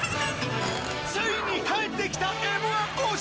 ついに帰ってきたＭー１王者。